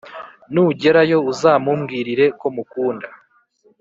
nugerayo uzamumbwirire komukunda